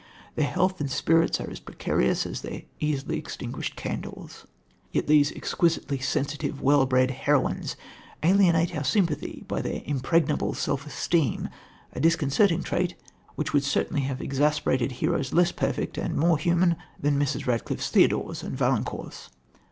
Their health and spirits are as precarious as their easily extinguished candles. Yet these exquisitely sensitive, well bred heroines alienate our sympathy by their impregnable self esteem, a disconcerting trait which would certainly have exasperated heroes less perfect and more human than Mrs. Radcliffe's Theodores and Valancourts.